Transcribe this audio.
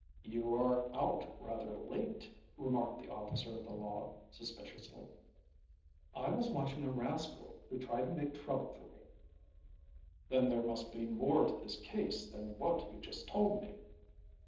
"You were out rather late," remarked the officer of the law, suspiciously. "I was watching a rascal who tried to make trouble for me." "Then there must be more to this case than what you just told me."